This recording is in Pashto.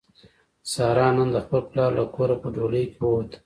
ساره نن د خپل پلار له کوره په ډولۍ کې ووته.